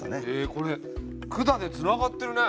これ管でつながってるね。